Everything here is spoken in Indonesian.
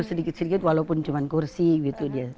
sedikit sedikit walaupun cuma kursi gitu dia